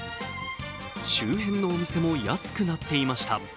周辺のお店も安くなっていました。